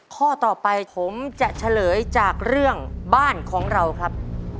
ข้อต่อไปผมจะเฉลยจากเรื่องบ้านของเราครับ